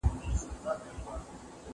ته کله کتابتون ته ځې،